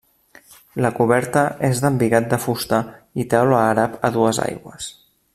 La coberta és d'embigat de fusta i teula àrab a dues aigües.